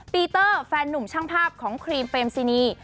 ปีเตอร์แฟนนุ่มช่างภาพของครีมเฟรมซินี